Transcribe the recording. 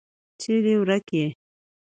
چیري ورکه یې ؟